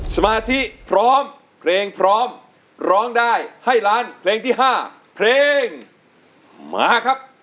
สมาธิพร้อมเพลงพร้อมร้องได้ให้ล้านเพลงที่๕เพลงมาครับ